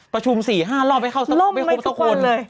ประชุม๔๕รอบไปเข้าไปก็ไม่คบทุกคน